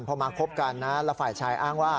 พอมาคบกันนะแล้วฝ่ายชายอ้างว่า